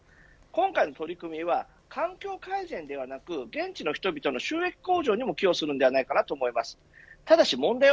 今回の取り組みは環境改善ではなく現地の人々の収益向上にも寄与するんではないかと思います。